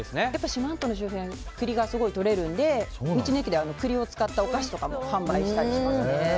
四万十の周辺は栗がすごいとれるので道の駅で栗を使ったお菓子とかも販売したりしてますね。